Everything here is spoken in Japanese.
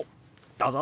どうぞ！